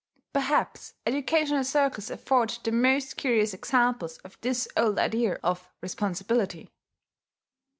Perhaps educational circles afford the most curious examples of this old idea of responsibility.